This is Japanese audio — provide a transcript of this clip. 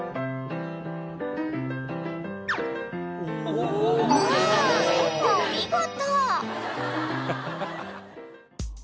［お見事］